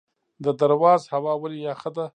د درواز هوا ولې یخه ده؟